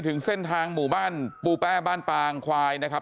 ถึงเส้นทางหมู่บ้านปูแป้บ้านปางควายนะครับ